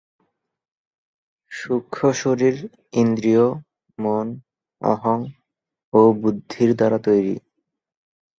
সূক্ষ্ম শরীর ইন্দ্রিয়, মন, অহং ও বুদ্ধির দ্বারা তৈরি।